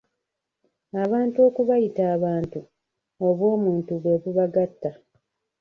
Abantu okubayita abantu, obwomuntu bwe bubagatta.